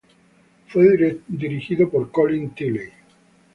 Fue dirigido por Colin Tilley.